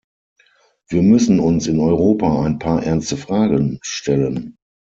Wir müssen uns in Europa ein paar ernste Fragen stellen.